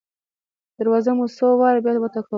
دروازه مو څو واره بیا وټکوله.